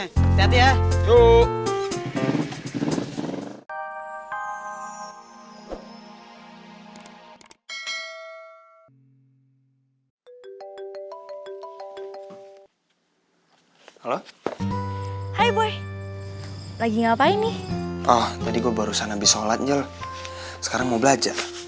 halo halo hai boy lagi ngapain nih oh jadi gue baru sana bisolatnya sekarang mau belajar